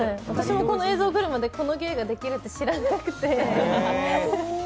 私もこの映像が来るまでこの芸ができるって知らなくて。